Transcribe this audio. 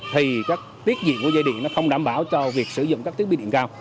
thì các tiết diện của dây điện nó không đảm bảo cho việc sử dụng các thiết bị điện cao